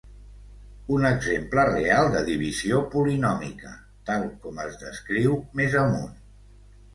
Un exemple real de divisió polinòmica, tal com es descriu més amunt.